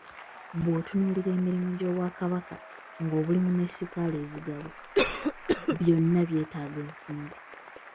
Bw'otunuulira emirimu gy'Obwakabaka nga obulimi ne ssikaala ezigabwa, byonna byetaaga ensimbi.